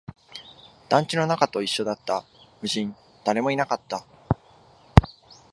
団地の中と一緒だった、無人、誰もいなかった